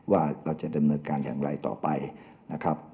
ว่าเราจะดำเนินการอย่างไรต่อไปนะครับ